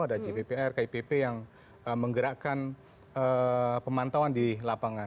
ada jppr kipp yang menggerakkan pemantauan di lapangan